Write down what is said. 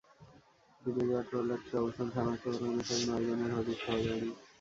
ডুবে যাওয়া ট্রলারটির অবস্থান শনাক্ত হলেও নিখোঁজ নয়জনের হদিস পাওয়া যায়নি।